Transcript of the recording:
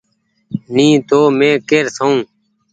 ني تو مين ڪير سئو۔